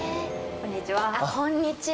こんにちは。